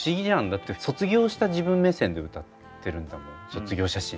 だって卒業した自分目線で歌ってるんだもん「卒業写真」って。